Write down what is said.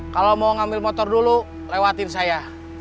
kalau mau ngambil motor dulu lewatin saya